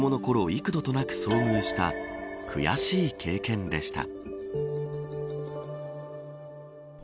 幾度となく遭遇した悔しい経験でした。